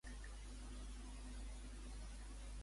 El discurs complaïa el senyor Eudald?